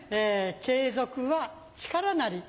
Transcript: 継続は力なり